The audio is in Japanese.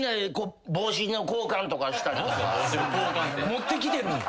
持ってきてるんだ。